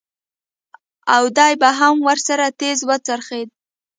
او دى به هم ورسره تېز وڅرخېد.